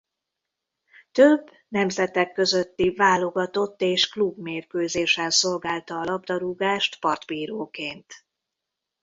Több nemzetek közötti válogatott- és klubmérkőzésen szolgálta a labdarúgást partbíróként.